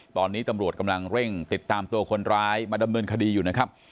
ตอนนี้ตำรวจกำลังเร่งติดตามตัวคนร้ายมาดำเนินคดีอยู่นะครับ